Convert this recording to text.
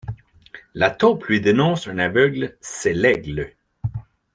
La taupe lui dénonce un aveugle, c'est l'aigle.